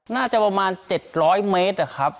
น่าจะประมาณ๗๐๐เมตรอะครับ